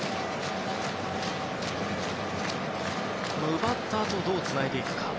奪ったあとどうつないでいくか。